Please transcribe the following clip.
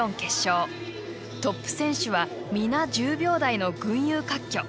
トップ選手は皆１０秒台の群雄割拠。